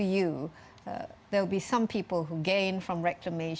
ada beberapa orang yang mendapatkan dari reklamasi